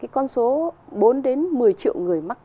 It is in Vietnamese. con số bốn đến một mươi triệu người mắc